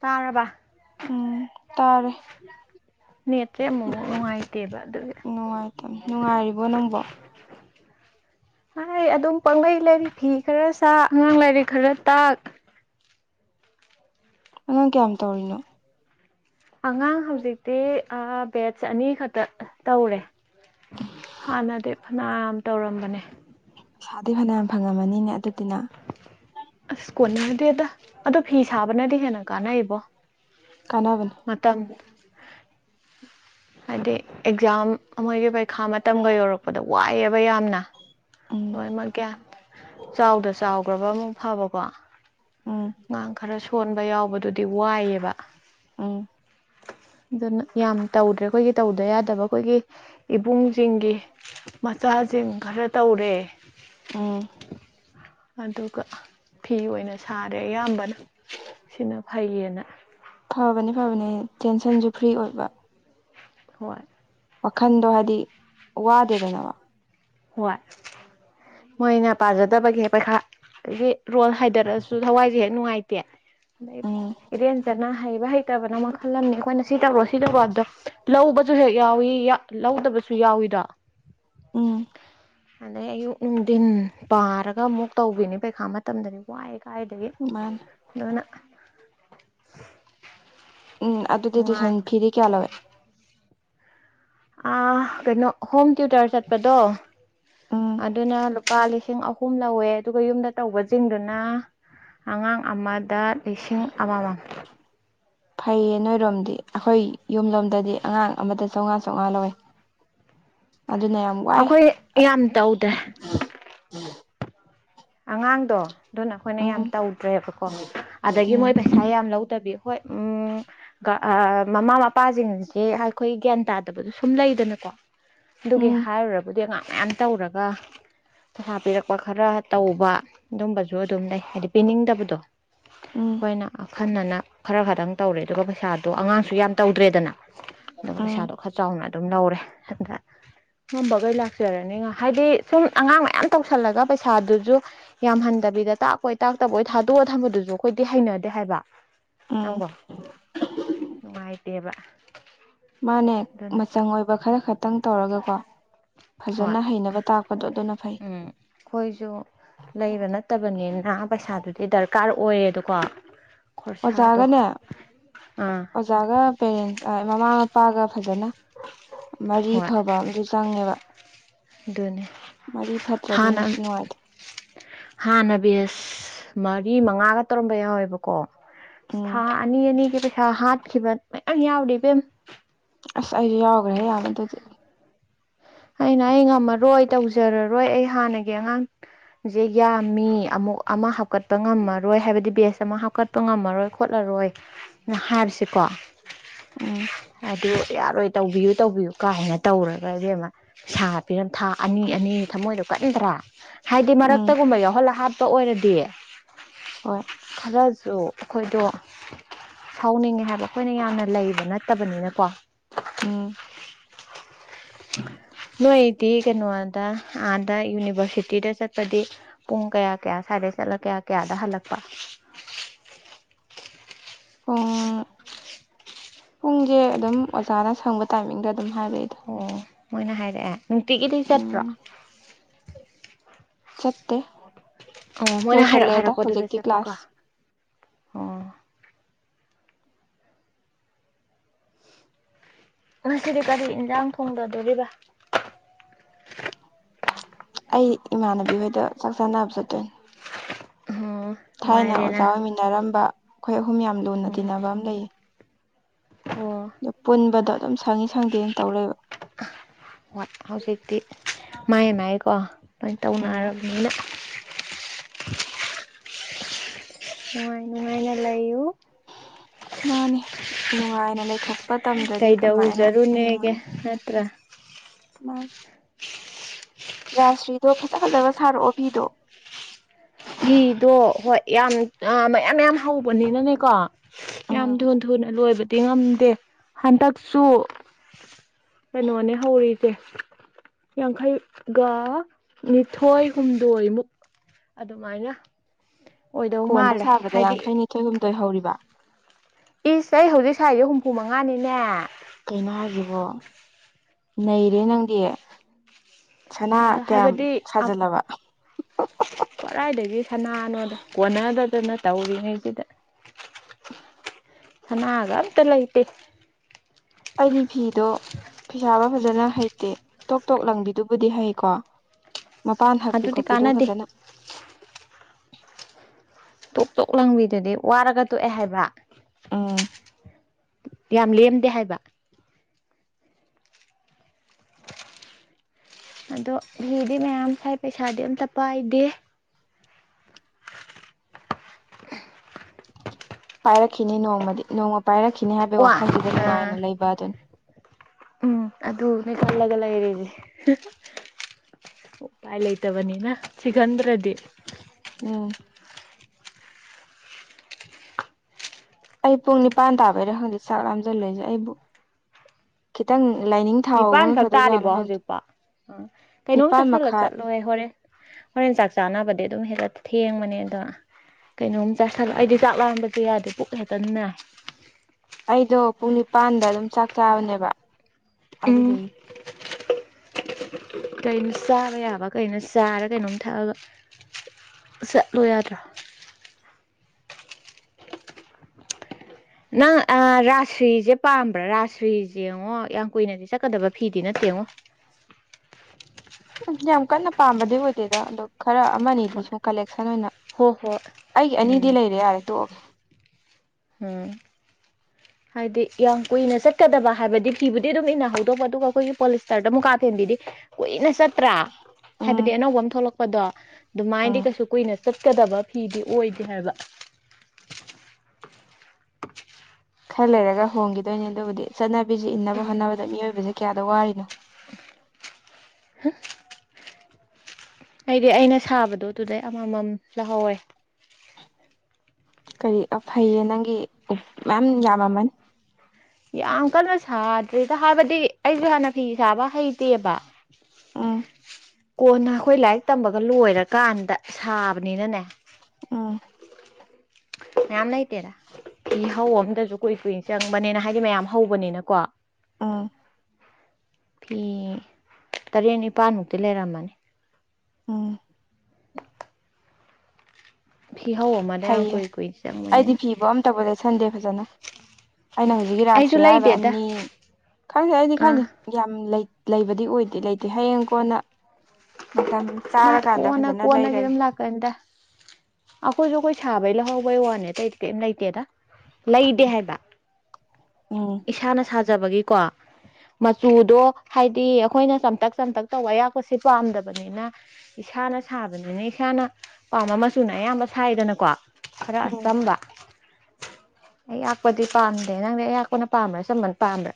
ꯇꯥꯔꯕ ꯎꯝ ꯇꯥꯔꯦ ꯅꯦꯠꯁꯦ ꯑꯃꯨꯛꯃꯨꯛ ꯅꯨꯡꯉꯥꯏꯇꯦꯕ ꯑꯗꯨꯒꯤ ꯅꯨꯡꯉꯥꯏꯇꯝ ꯅꯨꯡꯉꯥꯏꯔꯤꯕꯣ ꯅꯪꯕꯣ [unintelligible] ꯍꯥꯏ ꯑꯗꯨꯝ ꯄꯪꯂꯩ ꯂꯥꯏꯔꯤ ꯐꯤ ꯈꯔ ꯁꯥ ꯑꯉꯥꯡ ꯂꯥꯏꯔꯤꯛ ꯈꯔ ꯇꯥꯛ ꯑꯉꯥꯡ ꯀꯌꯥꯝ ꯇꯧꯔꯤꯅꯣ ꯑꯉꯥꯡ ꯍꯧꯖꯤꯛꯇꯤ ꯑꯥ ꯕꯦꯠꯁ ꯑꯅꯤꯈꯛ ꯇꯥ ꯇꯧꯔꯦ ꯍꯥꯟꯅꯗꯤ ꯐꯅꯌꯥꯝ ꯇꯧꯔꯝꯕꯅꯦ ꯐꯥꯗꯤ ꯐꯅꯌꯥꯝ ꯐꯪꯉꯝꯃꯅꯤꯅꯦ ꯑꯗꯨꯗꯤꯅ ꯑꯁ ꯀꯣꯟꯅꯗꯦꯗꯥ ꯑꯗ ꯑꯗꯣ ꯐꯤ ꯁꯥꯕꯅꯗꯤ ꯍꯦꯟꯅ ꯀꯥꯟꯅꯩꯕꯣ ꯀꯅꯥꯕꯅꯦ ꯃꯇꯝ ꯍꯥꯏꯗꯤ ꯑꯦꯛꯖꯥꯝ ꯃꯣꯏꯒꯤ ꯄꯩꯈꯥ ꯃꯇꯝꯒ ꯌꯧꯔꯛꯄꯗ ꯋꯥꯏꯌꯦꯕ ꯌꯥꯝꯅ ꯎꯝ ꯍꯣꯏ ꯃꯣꯏꯒꯦ ꯆꯥꯎꯗ ꯆꯥꯎꯈ꯭ꯔꯕ ꯑꯃ ꯐꯕꯀꯣ ꯎꯝ ꯉꯥꯡ ꯈꯔ ꯁꯣꯟꯕ ꯌꯥꯎꯕꯗꯨꯗꯤ ꯋꯥꯏꯌꯦꯕ ꯎꯝ ꯑꯗꯨꯅ ꯌꯥꯝ ꯇꯧꯗ꯭ꯔꯦ ꯈꯣꯏꯒꯤ ꯇꯧꯗ ꯌꯥꯗꯕ ꯈꯣꯏꯒꯤ ꯏꯕꯨꯡꯖꯤꯡꯒꯤ ꯃꯆꯥꯖꯤꯡ ꯈꯔ ꯇꯧꯔꯦ ꯎꯝ ꯑꯗꯨꯒ ꯐꯤ ꯑꯣꯏꯅ ꯁꯥꯔꯦ ꯑꯌꯥꯝꯕꯅ ꯁꯤꯅ ꯐꯩꯌꯦꯅ ꯐꯕꯅꯦ ꯐꯕꯅꯦ ꯇꯦꯟꯁꯟꯖꯨ ꯐ꯭ꯔꯤ ꯑꯣꯏꯕ ꯍꯣꯏ ꯋꯥꯈꯟꯗꯣ ꯍꯥꯏꯗꯤ ꯋꯥꯗꯦꯗꯅ ꯍꯣꯏ ꯃꯣꯏꯅ ꯄꯥꯖꯗꯕꯒꯤ ꯄꯩꯈꯥ ꯑꯗꯒꯤ ꯔꯣꯜ ꯍꯥꯏꯗꯔꯛꯑꯁꯨ ꯊꯋꯥꯏꯖꯦ ꯍꯦꯛ ꯅꯨꯡꯉꯥꯏꯇꯦ ꯂꯥꯟ ꯎꯝ ꯏꯔꯦꯟꯖꯅ ꯍꯩꯕ ꯍꯩꯇꯥꯕ ꯅ ꯃꯈꯟ ꯈꯜꯂꯝꯅꯤ ꯑꯈꯣꯏꯅ ꯁꯤ ꯇꯧꯔꯣ ꯁꯤ ꯇꯧꯔꯣ ꯍꯥꯏꯕꯗꯣ ꯂꯧꯕꯖꯨ ꯍꯦꯛ ꯌꯥꯎꯏ ꯂꯧꯗꯕꯁꯨ ꯌꯥꯎꯏꯤꯗꯣ ꯎꯝ ꯑꯗꯩ ꯑꯌꯨꯛ ꯅꯨꯡꯗꯤꯟ ꯄꯥꯔꯒ ꯑꯃꯨꯛ ꯇꯧꯕꯤꯅꯤ ꯄꯩꯈꯥ ꯃꯇꯝꯗꯗꯤ ꯋꯥꯏ ꯀꯥꯏꯗꯒꯤ ꯃꯥꯟ ꯅꯨꯅ ꯎꯝ ꯑꯗꯨꯗꯤ ꯇꯨꯏꯁꯟ ꯅꯨꯡꯉꯥꯏ ꯐꯤꯗꯤ ꯀꯌꯥ ꯂꯧꯏ ꯑ ꯀꯩꯅꯣ ꯍꯣꯝ ꯇ꯭ꯌꯨꯇꯔ ꯆꯠꯄꯗꯣ ꯎꯝ ꯑꯗꯨꯅ ꯂꯨꯞ ꯄꯥ ꯂꯤꯁꯤꯡ ꯑꯍꯨꯝ ꯂꯧꯋꯦ ꯑꯗꯨꯒ ꯌꯨꯝꯗ ꯇꯧꯕꯖꯤꯡꯗꯨꯅ ꯑꯉꯥꯡ ꯑꯃꯗ ꯂꯤꯁꯤꯡ ꯑꯃꯃꯝ ꯐꯩꯌꯦ ꯅꯣꯏꯔꯣꯝꯗꯤ ꯑꯈꯣꯏ ꯌꯨꯝꯂꯣꯝꯗꯗꯤ ꯑꯉꯥꯡ ꯑꯃꯗ ꯆꯝꯉꯥ ꯆꯝꯉꯥ ꯂꯧꯌꯦ ꯑꯗꯨꯅ ꯌꯝ ꯑꯈꯣꯏ ꯌꯥꯝ ꯇꯧꯗꯦ ꯑꯉꯥꯡꯗꯣ ꯑꯗꯨꯅ ꯑꯈꯣꯏꯅ ꯌꯥꯝ ꯎꯝ ꯇꯧꯗ꯭ꯔꯦꯕꯀꯣ ꯑꯗꯒꯤ ꯎꯝ ꯃꯣꯏꯄꯩ ꯄꯩꯁꯥ ꯌꯥꯝ ꯂꯧꯗꯕꯤ ꯍꯣꯏ ꯎꯝ ꯒ ꯑ ꯃꯃꯥ ꯃꯄꯥꯖꯤꯡꯒꯤ ꯍꯥꯈꯣꯏ ꯒ꯭ꯌꯥꯟ ꯇꯥꯗꯕꯗꯨ ꯁꯨꯝ ꯂꯩꯗꯅꯀꯣ ꯑꯗꯨꯒꯤ ꯎꯝ ꯍꯥꯏꯔꯨꯔꯕꯨꯗꯤ ꯑꯉꯥꯡ ꯃꯌꯥꯝ ꯇꯧꯔꯒ ꯄꯩꯁꯥ ꯄꯤꯔꯛꯄ ꯈꯔ ꯇꯧꯕ ꯗꯨꯝꯕꯖꯨ ꯑꯗꯨꯝ ꯂꯩ ꯍꯥꯏꯗꯤ ꯄꯤꯅꯤꯡꯗꯕꯗꯣ ꯎꯝ ꯈꯣꯏꯅ ꯑꯈꯟꯅꯅ ꯈꯔ ꯈꯗꯪ ꯇꯧꯔꯦ ꯑꯗꯨꯒ ꯄꯩꯁꯥꯗꯣ ꯑꯉꯥꯡꯁꯨ ꯌꯥꯝ ꯇꯧꯗ꯭ꯔꯦꯗꯅ ꯑꯗꯨꯒ ꯎꯝ ꯄꯩꯁꯥꯗꯣ ꯈꯔ ꯆꯥꯎꯅ ꯑꯗꯨꯝ ꯂꯧꯔꯦ ꯑꯗ ꯉꯝꯕꯒꯩ ꯂꯥꯛꯆꯔꯅꯤ ꯉ ꯍꯥꯏꯗꯤ ꯁꯨꯝ ꯑꯉꯥꯡ ꯃꯌꯥꯝ ꯇꯧꯁꯜꯂꯒ ꯄꯩꯁꯥꯗꯨꯖꯨ ꯌꯥꯝꯍꯟꯗꯕꯤꯗ ꯇꯥꯛꯄꯣꯏ ꯇꯥꯛꯇꯕꯣꯏ ꯊꯥꯗꯣꯛꯑ ꯊꯝꯕꯗꯨꯖꯨ ꯈꯣꯏꯗꯤ ꯍꯩꯅꯗꯦ ꯍꯥꯏꯕ ꯎꯝ ꯅꯪꯕꯣ ꯅꯨꯡꯉꯥꯏꯇꯦꯕ ꯃꯥꯅꯦ ꯑꯗꯨꯅ ꯃꯆꯪ ꯑꯣꯏꯕ ꯈꯔ ꯈꯇꯪ ꯇꯧꯔꯒꯀꯣ ꯍꯣꯏ ꯐꯖꯅ ꯍꯩꯅꯕ ꯇꯥꯛꯄꯗꯣ ꯑꯗꯨꯅ ꯐꯩ ꯈꯣꯏꯖꯨ ꯂꯩꯕ ꯅꯠꯇꯕꯅꯤꯅ ꯄꯩꯁꯥꯗꯨꯗꯤ ꯗꯔꯀꯥꯔ ꯑꯣꯏꯌꯦꯗꯨꯀꯣ ꯑꯣꯖꯥꯒꯅꯦ ꯑꯣꯖ ꯑꯥ ꯑꯣꯖꯥꯒ ꯄꯦꯔꯦꯟ ꯑ ꯃꯃꯥ ꯃꯄꯥꯒ ꯐꯖꯅ ꯃꯔꯤ ꯐꯕ ꯑꯝꯖꯨ ꯆꯪ ꯆꯪꯉꯦꯕ ꯗꯨꯅꯤ ꯃꯔꯤ ꯐꯠꯇ꯭ꯔꯗꯤ ꯍꯥꯟꯅꯟ ꯑꯃꯨꯛꯁꯨ ꯅꯨꯡꯉꯥꯏꯇꯦ ꯍꯥꯟꯅ ꯕꯦꯁ ꯃꯔꯤ ꯃꯉꯥꯒ ꯇꯧꯔꯝꯕ ꯌꯥꯎꯋꯦꯕꯛ ꯀꯣ ꯎꯝ ꯁꯊꯥ ꯑꯅꯤ ꯑꯅꯤꯒꯤ ꯄꯩꯁꯥ ꯍꯥꯠꯈꯤꯕ ꯃꯌꯥꯝ ꯌꯥꯎꯔꯤ ꯏꯕꯦꯝ꯫ ꯑꯁ ꯑꯩꯖꯨ ꯌꯥꯎꯒ꯭ꯔꯦꯍꯦ ꯌꯥꯝ ꯑꯗꯨꯗꯤ꯫ ꯑꯩꯅ ꯑꯩ ꯉꯝꯃꯔꯣꯏ ꯇꯧꯖꯔꯔꯣꯏ ꯑꯩ ꯍꯥꯟꯅꯒꯤ ꯑꯉꯥꯡ ꯖꯦ ꯌꯥꯝꯃꯤ ꯑꯃꯨꯛ ꯑꯃ ꯍꯥꯞꯀꯠꯄ ꯉꯝꯃꯔꯣꯏ ꯍꯥꯏꯕꯗꯤ ꯕꯦꯆ ꯑꯃ ꯍꯥꯞꯀꯠ ꯄ ꯉꯝꯃꯔꯣꯏ ꯈꯣꯠꯂꯔꯣꯏ ꯅ ꯍꯥꯏꯕꯁꯤꯀꯣ ꯎꯝ ꯑꯗꯨ ꯌꯥꯔꯣꯏ ꯇꯧꯕꯤꯌꯨ ꯇꯧꯕꯤꯌꯨ ꯀꯥꯏꯅ ꯇꯧꯔꯒ ꯏꯕꯦꯝꯃ꯫ ꯁꯥ ꯄꯤꯔꯝ ꯊꯥ ꯑꯅꯤ ꯑꯅꯤ ꯊꯃꯣꯏꯗꯣ ꯀꯟꯗ꯭ꯔꯥ ꯍꯥꯏꯗꯤ ꯎꯝ ꯃꯔꯛꯇꯒꯨꯝꯕ ꯌꯥꯎꯍꯜꯂ ꯍꯥꯞ ꯄ ꯑꯣꯏꯔꯗꯤ ꯍꯣꯏ ꯈꯔꯖꯨ ꯑꯈꯣꯏꯗꯣ꯫ ꯁꯥꯎꯅꯤꯡꯉꯦ ꯍꯥꯏꯕ ꯑꯈꯣꯏꯅ ꯌꯥꯝꯅ ꯂꯩꯕ ꯅꯠꯇꯕꯅꯤꯅꯀꯣ꯫ ꯎꯝ ꯅꯣꯏꯗꯤ ꯀꯩꯅꯣꯗ ꯑꯥꯗ ꯌꯨꯅꯤꯚꯔꯁꯤꯇꯤꯗ ꯆꯠꯄꯗꯤ ꯄꯨꯡ ꯀꯌꯥ ꯀꯌꯥ ꯁꯥꯏꯗꯩ ꯆꯠꯂ ꯀꯌꯥ ꯀꯌꯥꯗ ꯍꯜꯂꯛꯄ꯫ ꯄꯨꯡ ꯄꯨꯡꯖꯦ ꯑꯗꯨꯝ ꯑꯣꯖꯥꯅ ꯁꯪꯕ ꯇꯥꯏꯃꯤꯡꯗ ꯑꯗꯨꯝ ꯍꯥꯏꯔꯛꯏꯗ꯫ ꯑꯣ ꯃꯣꯏꯅ ꯍꯥꯏꯔꯛꯑꯦ ꯅꯨꯡꯇꯤꯒꯤꯗꯤ ꯆꯠꯄ꯭ꯔꯣ꯫ ꯎꯝ ꯆꯠꯇꯦ ꯑꯣ ꯃꯣꯏꯅ ꯍꯥꯏꯔꯛ ꯂꯣꯏꯁꯜꯂꯦꯗ ꯍꯥꯏꯔꯛꯄꯗꯨꯗ ꯍꯧꯖꯤꯛꯇꯤ ꯆꯠꯄꯀꯣ ꯀ꯭ꯂꯥꯁ ꯑꯣ꯫ ꯉꯁꯤꯗꯤ ꯀꯔꯤ ꯏꯟꯖꯥꯡ ꯊꯣꯡꯗꯗꯣꯔꯤꯕ꯫ ꯑꯩ ꯏꯃꯥꯟꯅꯕꯤ ꯍꯣꯏꯗ ꯆꯥꯛ ꯆꯥꯅꯕ ꯆꯠꯇꯣꯏꯟ꯫ ꯎꯍꯣ ꯊꯥꯏꯅ ꯑꯣꯖꯥ ꯑꯣꯏꯃꯤꯟꯅꯔꯝꯕ ꯈꯣꯏ ꯑꯍꯨꯝ ꯌꯥꯝ ꯂꯨꯅ ꯇꯤꯟꯅꯕ ꯑꯝ ꯂꯩꯌꯦ꯫ ꯑꯣ ꯗꯣ ꯄꯨꯟꯕꯗꯣ ꯑꯗꯨꯝ ꯁꯪꯉꯤ ꯁꯪꯗꯦꯅ ꯇꯧ ꯂꯩꯕ ꯫ ꯍꯣꯏ ꯍꯧꯖꯤꯛꯇꯤ ꯃꯥꯏ ꯃꯥꯏꯀꯣ ꯂꯣꯏꯟ ꯎꯝ ꯇꯧꯅꯔꯕꯅꯤꯅ꯫ ꯅꯨꯡꯉꯥꯏ ꯅꯨꯡꯉꯥꯏꯅ ꯂꯩꯌꯨ ꯫ ꯃꯥꯅꯤ ꯅꯨꯡꯉꯥꯏꯅ ꯂꯩꯊꯣꯛꯄ ꯇꯝꯗꯔ꯭ꯗꯤ ꯀꯃꯥꯏꯅ ꯀꯩꯗꯧꯖꯔꯨꯅꯦꯒꯦ ꯍꯤꯡꯉꯨꯅꯤ꯫ ꯅꯠꯇ꯭ꯔꯥ ꯃꯥ ꯔꯥꯁꯁ꯭ꯔꯤꯗꯣ ꯐꯖ ꯐꯖꯕ ꯁꯥꯔꯛꯑꯣ ꯐꯤꯗꯣ꯫ ꯐꯤꯗꯣ ꯍꯣꯏ ꯌꯥꯝ ꯑꯥ ꯃꯌꯥꯝ ꯃꯌꯥꯝ ꯍꯧꯕꯅꯤꯅꯅꯦꯀꯣ꯫ ꯌꯥꯝ ꯎꯝ ꯊꯨꯟ ꯊꯨꯅ ꯂꯣꯏꯕꯗꯤ ꯉꯝꯗꯦ ꯍꯟꯗꯛꯁꯨ꯫ ꯀꯩꯅꯣꯅꯦ ꯍꯧꯔꯤꯁꯦ ꯌꯥꯡꯈꯩꯒ ꯅꯤꯊꯣꯏ ꯍꯨꯝꯗꯣꯏꯃꯨꯛ꯫ ꯑꯗꯨꯃꯥꯏꯅ ꯑꯣꯏꯗꯧ ꯃꯥꯜꯂꯦ ꯍꯥꯏꯗꯤ ꯊꯣꯏ ꯍꯨꯝꯗꯣꯏ ꯍꯧꯔꯤꯕ꯫ ꯏꯁ ꯑꯩ ꯍꯧꯖꯤꯛ ꯁꯥꯏꯖꯤ ꯍꯨꯝꯐꯨ ꯃꯉꯥꯅꯤꯅꯦ꯫ ꯀꯩꯅꯣ ꯍꯥꯏꯖꯤꯕꯣ ꯅꯩꯔꯦ ꯅꯪꯗꯤ꯫ ꯁꯅꯥ ꯑꯗꯣ ꯀꯌꯥꯝ ꯍꯥꯏꯕꯗꯤ ꯁꯥꯖꯤꯜꯂꯕ꯫ ꯀꯗꯥꯏꯗꯒꯤ ꯁꯅꯥꯅꯣꯗ ꯀꯣꯟꯅꯗꯗꯅ ꯇꯧꯔꯤꯉꯩꯖꯤꯗ ꯁꯅꯥꯒ ꯑꯝꯇ ꯂꯩꯇꯦ꯫ ꯑꯩꯗꯤ ꯐꯤꯗꯣ ꯐꯤꯁꯥꯕ ꯐꯖꯅ ꯍꯩꯇꯦ ꯇꯣꯛ ꯇꯣꯛ ꯂꯪꯕꯤꯗꯨꯕꯨꯗꯤ ꯍꯩꯀꯣ꯫ ꯃꯄꯥꯟ ꯍꯛꯄꯤ ꯑꯗꯨꯗꯤ ꯈꯣꯠꯄꯤꯗꯣ ꯀꯥꯟꯅꯗꯦ ꯐꯖꯅ꯫ ꯇꯣꯛ ꯇꯣꯛ ꯂꯪꯕꯤꯗꯨꯗꯤ ꯋꯥꯔꯒ ꯇꯣꯛꯑꯦ ꯍꯥꯏꯕ꯫ ꯎꯝ ꯌꯥꯝ ꯂꯦꯝꯗꯦ ꯍꯥꯏꯕ꯫ ꯑꯗꯣ ꯐꯤꯗꯤ ꯃꯌꯥꯝ ꯁꯥꯏ ꯄꯩꯁꯥꯗꯤ ꯑꯝꯇ ꯄꯥꯏꯗꯦ꯫ ꯄꯥꯏꯔꯛꯈꯤꯅꯤ ꯅꯣꯡꯃꯗꯤ ꯅꯣꯡꯃ ꯄꯥꯏꯔꯛꯈꯤꯅꯤ ꯍꯥꯏꯕꯒꯤ ꯋꯥ ꯋꯥꯈꯜꯁꯤꯗ ꯑꯥ ꯅꯨꯡꯉꯥꯏꯅ ꯂꯩꯕ ꯑꯗꯨꯅꯤ꯫ ꯎꯝ ꯑꯗꯨꯅꯦ ꯈꯜꯂꯒ ꯂꯩꯔꯤꯁꯦ꯫ ꯎꯄꯥꯏ ꯂꯩꯇꯕꯅꯤꯅ ꯁꯤꯒꯟꯗ꯭ꯔꯗꯤ꯫ ꯎꯝ꯫ ꯑꯩ ꯄꯨꯡ ꯅꯤꯄꯥꯟ ꯇꯥꯕꯩꯔ ꯍꯧꯖꯤꯛ ꯆꯥꯛ ꯂꯥꯝꯁꯤꯜ ꯂꯛꯏꯁꯦ ꯑꯩꯕꯨ ꯈꯤꯇꯪ ꯂꯥꯏꯅꯤꯡ ꯊꯥꯎꯕꯅ ꯅꯤꯄꯥꯟꯈꯛ ꯐꯗꯣꯏꯖꯥꯠꯂꯣ ꯇꯥꯔꯤꯕꯣ ꯈꯪꯗꯦ ꯍꯧꯖꯤꯛꯄꯣ ꯀꯩꯅꯣꯝ ꯅꯤꯄꯥꯟ ꯆꯥꯁꯤꯜꯂ ꯃꯈꯥꯏ ꯆꯠꯂꯣꯏꯍꯦ ꯍꯣꯔꯦꯟ꯫ ꯍꯣꯔꯦꯟ ꯆꯥꯛ ꯆꯥꯅꯕꯗꯤ ꯑꯗꯨꯝ ꯍꯦꯖꯠ ꯊꯦꯡꯕꯅꯦ ꯑꯗꯣ꯫ ꯀꯩꯅꯣꯝ ꯆꯥꯁꯥꯜꯂꯨ ꯑꯩꯗꯤ ꯆꯥꯛ ꯂꯥꯛꯝꯕꯁꯨ ꯌꯥꯗꯦ ꯄꯨꯛ ꯍꯦꯛꯇ ꯅꯥꯏ꯫ ꯑꯩꯗꯣ ꯄꯨꯡ ꯅꯤꯄꯥꯟꯗ ꯑꯗꯨꯝ ꯆꯥꯛ ꯆꯥꯕꯅꯦꯕ ꯎꯝ ꯑꯗꯨꯗꯨꯒꯤ꯫ ꯀꯩꯅꯣ ꯆꯥꯕ ꯌꯥꯕ ꯀꯩꯅꯣ ꯆꯥꯔ ꯀꯩꯅꯣꯝ ꯊꯛꯑꯒ꯫ ꯆꯠꯂꯣ ꯌꯥꯗ꯭ꯔꯥ꯫ ꯅꯪ ꯑꯥ ꯔꯥꯁ ꯁꯤꯔꯖꯦ ꯄꯥꯝꯕ꯭ꯔꯥ ꯔꯥꯁ ꯁꯤꯔꯖꯦ ꯌꯦꯡꯉꯣ ꯌꯥꯝ ꯀꯨꯏꯅꯗꯤ ꯆꯠꯀꯗꯕ ꯐꯤꯗꯤ ꯅꯠꯇꯦꯡꯉꯣ꯫ ꯌꯥꯝ ꯀꯟꯅ ꯄꯥꯝꯕꯗꯤ ꯑꯣꯏꯗꯦꯗ ꯑꯗꯨ꯫ ꯈꯔ ꯑꯃꯗꯤ ꯁꯨꯝ ꯀꯂꯦꯛꯁꯟ ꯑꯣꯏꯅ ꯍꯣꯏ ꯍꯣꯏ ꯑꯩꯒꯤ ꯑꯅꯤꯗꯤ ꯎꯝ ꯂꯩꯔꯦ ꯌꯥꯔꯦ ꯇꯣꯛꯑꯒꯦ꯫ ꯎꯝ꯫ ꯍꯥꯏꯗꯤ ꯌꯥꯝ ꯀꯨꯏꯅ ꯆꯠꯀꯗꯕ ꯍꯥꯏꯕꯗꯤ ꯐꯤꯕꯨꯗꯤ ꯑꯗꯨꯝ ꯏꯟꯅꯍꯗꯣꯛꯄ ꯑꯗꯨꯒ ꯑꯩꯈꯣꯏꯒꯤ ꯄꯣꯂꯤꯁꯇꯔꯗ ꯃꯨꯛꯀꯥ ꯐꯦꯟꯕꯤꯗꯤ ꯀꯨꯏꯅ ꯆꯠꯇ꯭ꯔꯥ ꯎꯝ ꯍꯥꯏꯕꯗꯤ ꯑꯅꯧꯕ ꯑꯃ ꯊꯣꯛꯂꯛꯄꯗꯣ꯫ ꯑꯗꯨꯃꯥꯏꯅꯗꯤ ꯎꯝ ꯀꯩꯁꯨ ꯀꯨꯏꯅ ꯆꯠꯀꯗꯕ ꯐꯤꯗꯤ ꯑꯣꯏꯗꯦ ꯍꯥꯏꯕ꯫ ꯈꯔ ꯂꯩꯔꯒ ꯍꯣꯡꯈꯤꯗꯣꯏꯅꯤ ꯑꯗꯨꯕꯨꯗꯤ ꯆꯠꯅꯕꯤꯁ ꯏꯟꯅꯕ ꯍꯣꯠꯅꯕꯗ ꯃꯤꯑꯣꯏꯕꯁꯦ ꯀꯌꯥꯗ ꯋꯥꯔꯤꯅꯣ꯫ [unintelligible] ꯑꯩꯗꯤ ꯑꯩꯅ ꯁꯥꯕꯗꯣ ꯑꯗꯨꯗꯩ ꯑꯃꯃꯝ ꯂꯧꯍꯧꯋꯦ꯫ ꯀꯔꯤ ꯐꯩꯌꯦ ꯅꯪꯒꯤ ꯃꯌꯥꯝ ꯌꯥꯝꯃꯝꯃꯅꯤ꯫ ꯌꯥꯝ ꯀꯟꯅ ꯁꯥꯗ꯭ꯔꯤꯗ ꯍꯥꯏꯕꯗꯤ ꯑꯩꯁꯨ ꯍꯥꯟꯅ ꯐꯤ ꯁꯥꯕ ꯍꯩ ꯇꯦꯕ ꯎꯝ ꯀꯣꯟꯅ ꯑꯩꯈꯣꯏ ꯂꯥꯏꯔꯤꯛ ꯇꯝꯕꯒ ꯂꯣꯏꯔꯀꯥꯟꯗ ꯁꯥꯕꯅꯤꯅꯅꯦ꯫ ꯎꯝ꯫ ꯀꯅꯥꯝ ꯂꯩꯇꯦ꯫ ꯐꯤꯍꯧ ꯑꯝꯗꯁꯨ ꯀꯨꯏ ꯀꯨꯏ ꯆꯪꯕꯅꯤꯅ ꯍꯥꯏꯗꯤ ꯃꯌꯥꯝ ꯍꯧꯕꯅꯤꯅꯀꯣ꯫ ꯑꯥ ꯐꯤ ꯇꯔꯦꯠ ꯅꯤꯄꯥꯜꯃꯨꯛꯇꯤ ꯂꯩꯔꯝꯃꯅꯤ꯫ ꯎꯝ꯫ ꯐꯤꯍꯧ ꯑꯃ ꯐꯩꯌꯦ ꯑꯩꯗꯤ ꯐꯤꯕꯣ ꯑꯃ ꯇꯕꯨ ꯂꯩꯁꯟꯗꯦ ꯐꯖꯅ꯫ ꯑꯩꯅ ꯍꯧꯖꯤꯛꯀꯤ ꯑꯩꯁꯨ ꯔꯥꯁꯇ꯭ꯔꯤꯌꯥ ꯍꯥꯏꯕ ꯂꯩꯗꯦꯗ ꯑꯅꯤ ꯈꯪꯗꯦ ꯑꯩꯗꯤ ꯑꯥ ꯈꯪꯗꯦ꯫ ꯌꯥꯝ ꯂꯩ ꯂꯩꯕꯗꯤ ꯑꯣꯏꯗꯦ ꯂꯩꯇꯦ ꯍꯌꯦꯡ ꯀꯣꯟꯅ ꯃꯇꯝ ꯆꯥꯔꯀꯥꯟꯗ ꯐꯖꯅ ꯂꯩꯔꯒꯦ꯫ ꯀꯩꯝꯇ ꯑꯈꯣꯏꯁꯨ ꯑꯈꯣꯏ ꯁꯥꯕꯩ ꯂꯧꯍꯧꯕꯩ ꯋꯥꯅꯦ ꯑꯇꯩꯗꯤ ꯀꯩꯝ ꯂꯩꯇꯦꯗ꯫ ꯂꯩꯗꯦ ꯍꯥꯏꯕ ꯎꯝ ꯏꯁꯥꯅ ꯁꯥꯖꯕꯒꯤꯀꯣ꯫ ꯃꯆꯨꯗꯣ ꯍꯥꯏꯗꯤ ꯑꯈꯣꯏꯅ ꯆꯝꯇꯛ ꯆꯝꯇꯛ ꯇꯧꯕ ꯑꯌꯥꯛꯄꯁꯦ ꯄꯥꯝꯗꯕꯅꯤꯅ꯫ ꯏꯁꯥꯅ ꯁꯥꯕꯅꯤꯅ ꯏꯁꯥꯅ ꯄꯥꯝꯕ ꯃꯆꯨꯅ ꯑꯌꯥꯝꯕ ꯁꯥꯏꯗꯅꯀꯣ꯫ ꯈꯔ ꯎꯝ ꯑꯆꯝꯕ꯫ ꯑꯩꯌꯥꯛꯄꯗꯤ ꯄꯥꯝꯗꯦ ꯅꯪꯗꯤ ꯑꯌꯥꯛꯄꯅ ꯄꯥꯝꯕ꯭ꯔꯥ ꯑꯆꯝꯕꯅ ꯄꯥꯝꯕ꯭ꯔꯥ꯫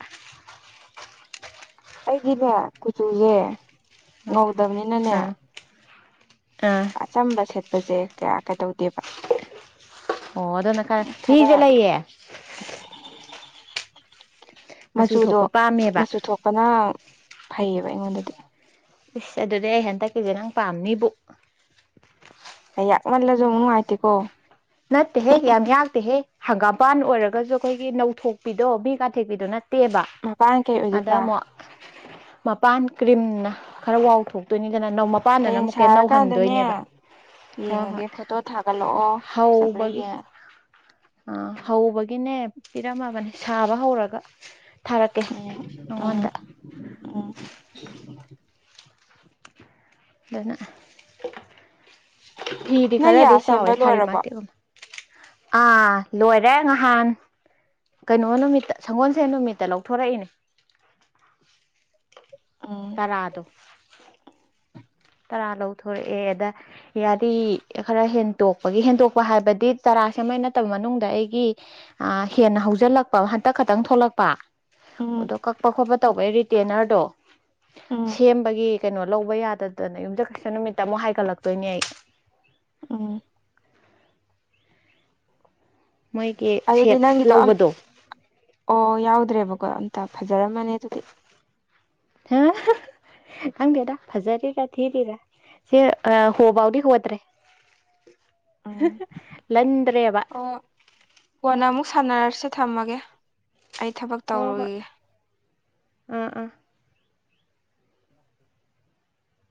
ꯑꯩꯒꯤꯅꯦ ꯀꯨꯆꯨꯖꯦ꯫ ꯎꯝ ꯑ ꯑ꯫ ꯑꯆꯝꯕ ꯁꯦꯠꯄꯁꯦ ꯀꯌꯥ ꯀꯩꯗꯧꯗꯦ ꯑꯣ ꯑꯗꯨꯅ ꯈꯔ ꯃꯤꯖꯦ ꯂꯩꯌꯦ ꯃꯆꯨ ꯃꯆꯨꯗꯣ ꯊꯣꯛꯄ ꯄꯥꯝꯃꯦꯕ ꯃꯆꯨꯊꯣꯛ ꯐꯅ ꯐꯩꯌꯦꯕ ꯑꯩꯉꯣꯟꯗꯥꯗꯤ ꯏꯁ ꯑꯗꯨꯗꯤ ꯑꯩ ꯍꯟꯗꯛꯀꯤꯁꯦ ꯅꯪ ꯄꯥꯝꯅꯤꯕꯨ ꯌꯥꯛꯃꯜꯂꯥꯁꯨ ꯑꯃꯨꯛ ꯅꯨꯡꯉꯥꯏꯇꯦꯀꯣ ꯅꯠꯇꯦꯍꯦ ꯌꯥꯝ ꯌꯥꯛꯇꯦꯍꯦ ꯍꯪꯒꯥꯝꯄꯥꯟ ꯑꯣꯏꯔꯒꯁꯨ ꯑꯈꯣꯏꯒꯤ ꯅꯧꯊꯣꯛꯄꯤꯗꯣ ꯃꯤ ꯀꯥꯊꯦꯛꯄꯤꯗꯣ ꯅꯠꯇꯦ ꯇꯦꯕ ꯃꯄꯥꯟ ꯀꯩ ꯑꯗꯥ ꯑꯣꯏꯗꯣꯏꯕ ꯑꯃꯨꯛ ꯃꯄꯥꯟ ꯀ꯭ꯔꯤꯝꯅ ꯈꯔ ꯋꯥꯥꯎ ꯊꯣꯛꯇꯣꯏꯅꯤꯗꯅ [unintelligible] ꯍꯌꯦꯡ ꯁꯥꯔꯀꯥꯟꯗꯅꯦ ꯍꯣꯏ ꯍꯣꯏ ꯌꯦꯡꯉꯒꯦ ꯐꯣꯇꯣ ꯊꯥꯒꯠꯂꯛꯑꯣ ꯆꯠꯄ꯭ꯔꯥ ꯍꯧꯕꯒꯤ ꯌꯦꯡꯉꯒꯦ ꯑꯥ ꯍꯧꯕꯒꯤꯅꯦ ꯄꯤꯔꯝꯃꯕꯅꯤ ꯁꯥꯕ ꯍꯧꯔꯒ ꯊꯥꯔꯛꯀꯦ ꯎꯝ ꯎꯝ ꯅꯥꯉꯣꯟꯗ ꯎꯝ ꯑꯗꯨꯅ ꯐꯤꯗꯤ ꯅꯪ ꯌꯥ ꯈꯔꯗꯤ ꯆꯥꯎꯋꯦ ꯁꯦꯝꯕ ꯁꯥꯔꯤ ꯂꯣꯏꯔꯕꯣ ꯃꯇꯤꯛ ꯑꯥ ꯂꯣꯏꯔꯦ ꯅꯍꯥꯟ ꯀꯩꯅꯣ ꯅꯨꯃꯤꯠꯇ ꯁꯪꯒꯣꯜꯁꯦꯟ ꯅꯨꯃꯤꯠꯇ ꯂꯧꯊꯣꯔꯛꯏꯅꯦ ꯎꯝ ꯇꯔꯥꯗꯣ ꯇꯔꯥ ꯂꯧꯊꯣꯔꯛꯑꯦ ꯑꯗꯥ ꯌꯥꯔꯤ ꯈꯔ ꯍꯦꯟꯇꯣꯛꯄꯒꯤ ꯍꯦꯟꯇꯣꯛꯄ ꯍꯥꯏꯕꯗꯤ ꯇꯔꯥ ꯁꯦꯝꯕꯩ ꯅꯠꯇꯕ ꯃꯅꯨꯡꯗ ꯑꯩꯒꯤ ꯑꯥ ꯍꯦꯟꯅ ꯍꯧꯖꯤꯜꯂꯛꯄ ꯍꯟꯇꯛ ꯈꯛꯇꯪ ꯊꯣꯛꯂꯛꯄ ꯎꯝ ꯑꯗꯣ ꯀꯛꯄ ꯈꯣꯠꯄ ꯇꯧꯕꯩ ꯔꯤꯇꯦꯟꯅꯔꯗꯣ ꯎꯝ ꯁꯦꯝꯕꯒꯤ ꯀꯩꯅꯣ ꯂꯧꯕ ꯌꯥꯗ ꯑꯗꯨꯅ ꯌꯨꯝꯖꯥꯀꯩꯁꯨ ꯅꯨꯃꯤꯠꯇ ꯑꯃꯨꯛ ꯍꯥꯏꯒꯠꯂꯛꯇꯣꯏꯅꯦ ꯑꯩ ꯎꯝ ꯃꯣꯏꯒꯤ ꯑꯗꯨꯗꯤ ꯁꯦꯠ ꯅꯪꯒꯤꯗꯣ ꯑꯝ ꯂꯧꯕꯗꯣ ꯑꯣ ꯌꯥꯎꯗ꯭ꯔꯦꯕꯀꯣ ꯑꯝꯇ ꯐꯖꯔꯝꯃꯅꯤ ꯑꯗꯨꯗꯤ [unintelligible] ꯈꯪꯗꯦꯗ ꯐꯖꯔꯤꯔ ꯊꯤꯔꯤꯔ ꯁꯤ ꯑꯥ ꯍꯣꯐꯥꯎꯗꯤ ꯍꯣꯗ꯭ꯔꯦ [inaudible] ꯂꯟꯗ꯭ꯔꯦꯕ ꯑꯣ ꯀꯣꯟꯅ ꯑꯃꯨꯛ ꯁꯥꯟꯅꯔꯁꯦ ꯊꯝꯃꯒꯦ ꯑꯩ ꯊꯕꯛ ꯍꯣ ꯍꯣꯏ ꯇꯧꯔꯨꯏ ꯑꯥ ꯑꯥ